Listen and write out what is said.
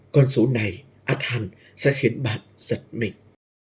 cảm ơn các bạn đã theo dõi và ủng hộ cho kênh lalaschool để không bỏ lỡ những video hấp dẫn